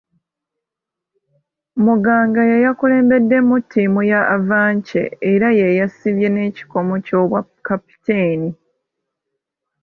Muganga y'eyakulembeddemu ttimu ya Avance era y'eyasibye n'ekikomo ky'obwa kapiteeni.